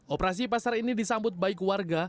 operasi pasar ini disambut baik warga